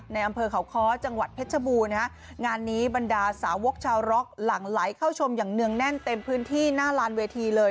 ในอำเภอเขาค้อจังหวัดเพชรบูรณนะฮะงานนี้บรรดาสาวกชาวร็อกหลั่งไหลเข้าชมอย่างเนื่องแน่นเต็มพื้นที่หน้าลานเวทีเลย